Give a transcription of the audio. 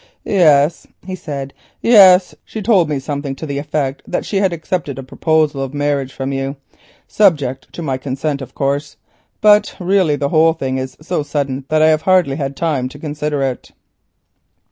"Yes," he said, "yes, she told me something to the effect that she had accepted a proposal of marriage from you, subject to my consent, of course; but really the whole thing is so sudden that I have hardly had time to consider it."